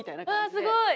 わすごい！